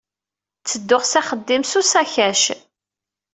Ttedduɣ s axeddim s usakac.